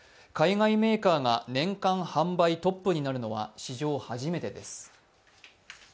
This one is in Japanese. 海外メーカーが年間販売トップになるのは史上初めてです。